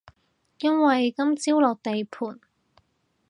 因為今朝落地盤